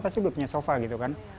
pasti udah punya sofa gitu kan